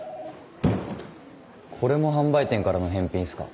これも販売店からの返品っすか？